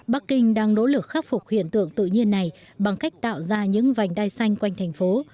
bắc kinh đang nỗ lực khắc phục hiện tượng tự nhiên này bằng cách tạo ra những vành đai xanh quanh thành phố